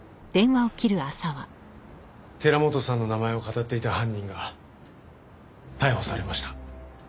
寺本さんの名前をかたっていた犯人が逮捕されました。